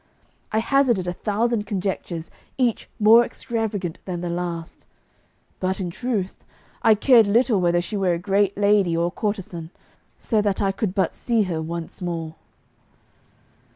I hazarded a thousand conjectures, each more extravagant than the last; but, in truth, I cared little whether she were a great lady or a courtesan, so that I could but see her once more.